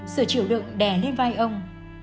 sự chịu đựng đè lên vai ông